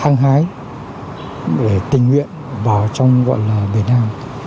hăng hái để tình nguyện vào trong gọi là việt nam